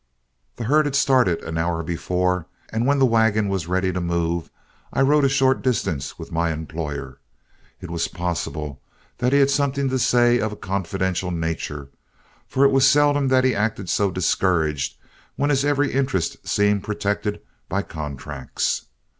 The herd had started an hour before, and when the wagon was ready to move, I rode a short distance with my employer. It was possible that he had something to say of a confidential nature, for it was seldom that he acted so discouraged when his every interest seemed protected by contracts.